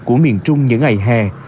của miền trung những ngày hè